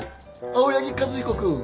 青柳和彦君。